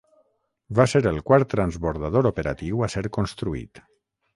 Va ser el quart transbordador operatiu a ser construït.